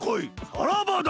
さらばだ！